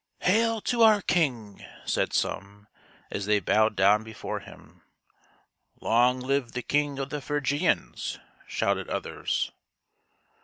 " Hail to our king !" said some, as they bowed down before him. " Long live the king of the Phrygians! " shouted others.